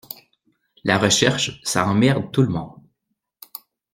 la recherche ça emmerde tout le monde.